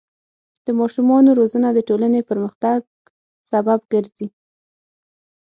د ماشومانو روزنه د ټولنې پرمختګ سبب ګرځي.